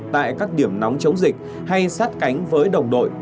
tại các điểm nóng chống dịch hay sát cánh với đồng đội